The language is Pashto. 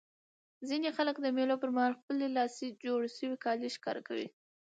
ځيني خلک د مېلو پر مهال خپلي لاسي جوړ سوي کالي ښکاره کوي.